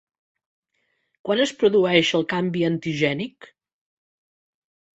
Quan es produeix el canvi antigènic?